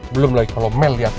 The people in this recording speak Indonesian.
belum lagi kalau mel ya